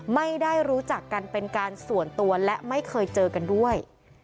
ไม่ได้รู้จักกันเป็นการส่วนตัวและไม่เคยเจอกันด้วย